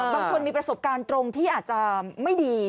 บางคนมีประสบการณ์ตรงที่อาจจะไม่ดี